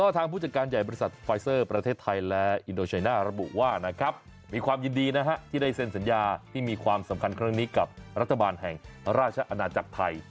ทางผู้จัดการใหญ่บริษัทไฟเซอร์ประเทศไทยและอินโดชัยน่าระบุว่านะครับมีความยินดีนะฮะที่ได้เซ็นสัญญาที่มีความสำคัญครั้งนี้กับรัฐบาลแห่งราชอาณาจักรไทย